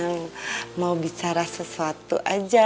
yang mau bicara sesuatu aja